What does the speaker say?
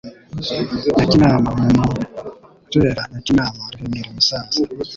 Nyakinama mu Murera Nyakinama Ruhengeri Musanze